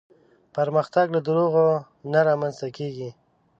پرمختګ له دروغو نه رامنځته کېږي.